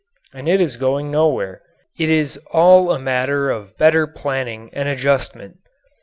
And it is going nowhere. It is all a matter of better planning and adjustment.